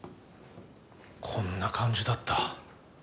こんな感じだった。